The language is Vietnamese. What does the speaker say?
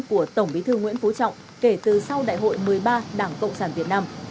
của tổng bí thư nguyễn phú trọng kể từ sau đại hội một mươi ba đảng cộng sản việt nam